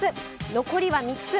残りは３つ。